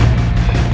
aku mau pergi ke rumah